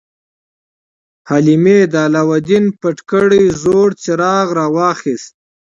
حلیمې د علاوالدین پټ کړی زوړ څراغ راواخیست.